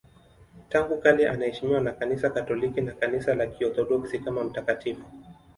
Tangu kale anaheshimiwa na Kanisa Katoliki na Kanisa la Kiorthodoksi kama mtakatifu.